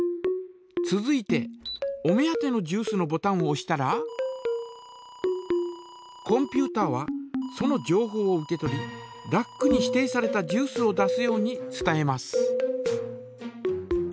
続いてお目当てのジュースのボタンをおしたらコンピュータはそのじょうほうを受け取りラックに指定されたジュースを出すように伝えます。